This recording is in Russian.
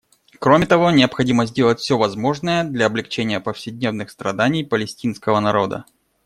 Кроме того, необходимо сделать все возможное для облегчения повседневных страданий палестинского народа.